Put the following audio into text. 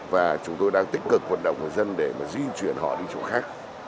và chúng tôi đang tích cực vận động người dân để mà di chuyển họ đi chỗ khác